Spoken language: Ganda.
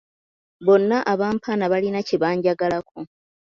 Bonna abampaana balina kye banjagalako.